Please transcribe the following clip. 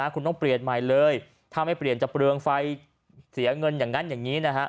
คุณต้องเปลี่ยนใหม่เลยถ้าไม่เปลี่ยนจะเปลืองไฟเสียเงินอย่างนั้นอย่างนี้นะฮะ